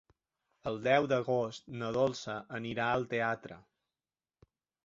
El deu d'agost na Dolça anirà al teatre.